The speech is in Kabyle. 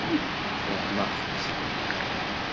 Fehmeɣ-tt.